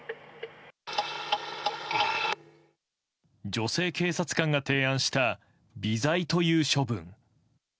女性警察官が提案した微罪という処分。